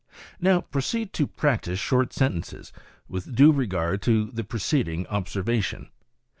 Now proceed to practice short sentences with due regard to the preceding observation.